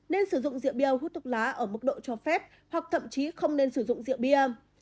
nên sử dụng rượu bia hút thuốc lá ở mức độ cho phép hoặc thậm chí không nên sử dụng rượu bia